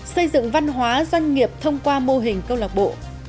xây dựng văn hóa doanh nghiệp thông qua mô hình câu lạc bộ